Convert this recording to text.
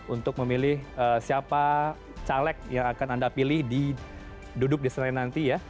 untuk memilih siapa caleg yang akan anda pilih di duduk di senayan nanti ya